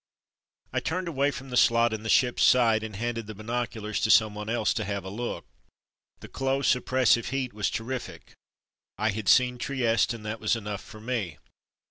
I turned away from the slot in the ship's side, and handed the binoculars to someone else to have a look. The close, oppressive heat was terrific. I had seen Trieste and that was enough for me.